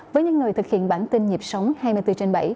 với những người thực hiện bản tin nhịp sống hai mươi bốn trên bảy